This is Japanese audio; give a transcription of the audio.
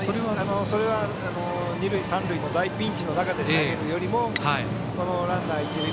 それは、二塁三塁の大ピンチの中で投げるよりもランナー、一塁。